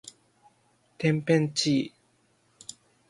てんぺんちい